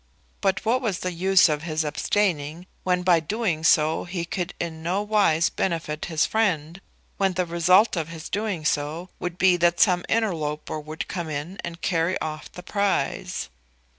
But what was the use of his abstaining, when by doing so he could in no wise benefit his friend, when the result of his doing so would be that some interloper would come in and carry off the prize?